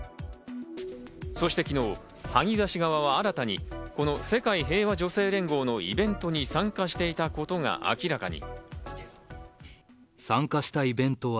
そして昨日、萩生田氏側は新たに、この世界平和女性連合のイベントに参加していたことが明らかに。